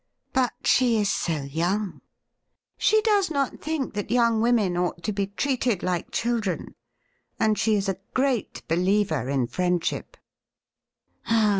' But she is so young.' 'She does not think that young women ought to be treated like children, and she is a great believer in friend ship.'